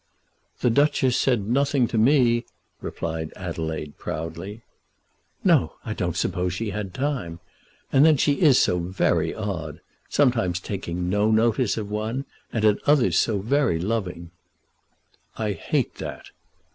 "The Duchess said nothing to me," replied Adelaide, proudly. "No; I don't suppose she had time. And then she is so very odd; sometimes taking no notice of one, and at others so very loving." "I hate that."